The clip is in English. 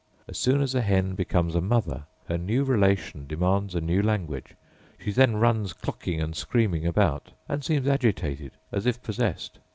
As soon as a hen becomes a mother her new relation demands a new language; she then runs clucking and screaming about, and seems agitated as if possessed.